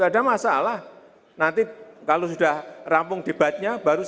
dan saya udah pintaran